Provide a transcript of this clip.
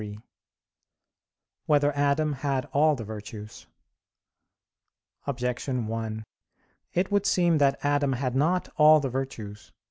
3] Whether Adam Had All the Virtues? Objection 1: It would seem that Adam had not all the virtues.